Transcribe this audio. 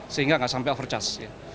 sehingga nggak sampai overcharge